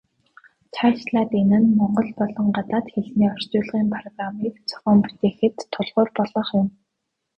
Цаашлаад энэ нь монгол болон гадаад хэлний орчуулгын программыг зохион бүтээхэд тулгуур болох юм.